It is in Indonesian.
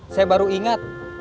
saya baru ingat